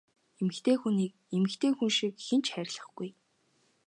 Эмэгтэй хүнийг эмэгтэй хүн шиг хэн ч хайрлахгүй!